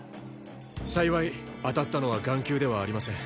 幸い当たったのは眼球ではありません。